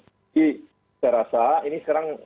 saya rasa ini sekarang